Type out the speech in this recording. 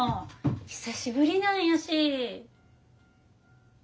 久しぶりなんやし。